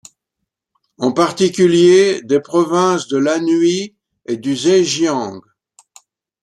En particulier des provinces de l'Anhui et du Zhejiang.